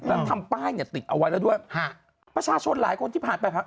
แล้วทำป้ายเนี่ยติดเอาไว้แล้วด้วยฮะประชาชนหลายคนที่ผ่านไปผ่าน